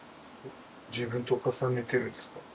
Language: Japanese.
自分と重ねてるんですか？